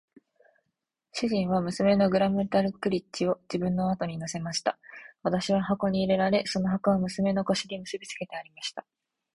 主人は娘のグラムダルクリッチを自分の後に乗せました。私は箱に入れられ、その箱は娘の腰に結びつけてありました。